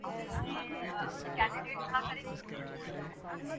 تقریبات میں مختلف لوگوں سے گفتگو کرتا ہوں